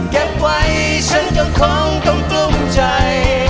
เก็บไว้ฉันก็คงต้องกลุ้มใจ